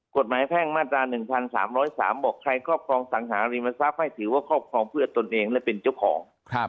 แพ่งมาตรา๑๓๐๓บอกใครครอบครองสังหาริมทรัพย์ให้ถือว่าครอบครองเพื่อตนเองและเป็นเจ้าของ